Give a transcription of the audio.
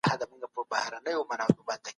د پاڅون لپاره یې کوم پلان جوړ کړ؟